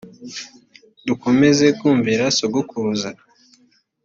dukomeza kumvira sogokuruza